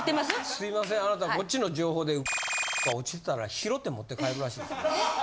すいませんあなたこっちの情報ではが落ちてたら拾って持って帰るらしいですよ。